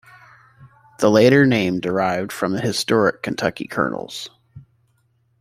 The latter name derived from the historic Kentucky colonels.